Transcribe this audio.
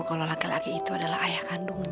kalau laki laki itu adalah ayah kandung